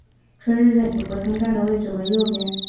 春日在组合中站的位置为右边。